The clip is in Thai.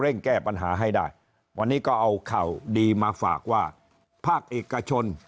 แก้ปัญหาให้ได้วันนี้ก็เอาข่าวดีมาฝากว่าภาคเอกชน